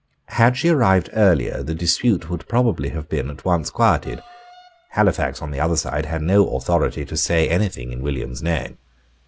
Had she arrived earlier the dispute would probably have been at once quieted. Halifax on the other side had no authority to say anything in William's name.